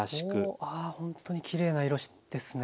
ほんとにきれいな色ですね。